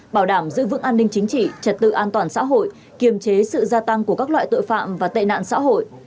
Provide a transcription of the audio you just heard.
bảo đảm giữ vững an ninh chính trị trật tự an toàn xã hội kiềm chế sự gia tăng của các loại tội phạm và tệ nạn xã hội